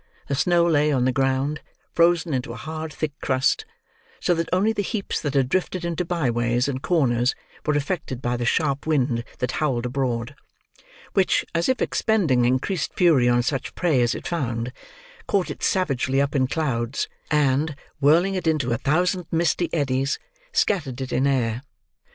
The snow lay on the ground, frozen into a hard thick crust, so that only the heaps that had drifted into byways and corners were affected by the sharp wind that howled abroad: which, as if expending increased fury on such prey as it found, caught it savagely up in clouds, and, whirling it into a thousand misty eddies, scattered it in air.